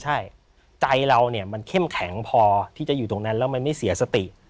ใช่ใจเราเนี่ยมันเข้มแข็งพอที่จะอยู่ตรงนั้นแล้วมันไม่เสียสติ